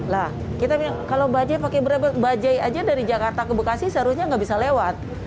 lah kita bilang kalau bajai pakai bajai aja dari jakarta ke bekasi seharusnya nggak bisa lewat